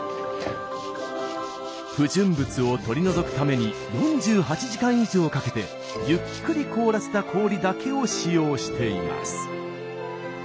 不純物を取り除くために４８時間以上かけてゆっくり凍らせた氷だけを使用しています。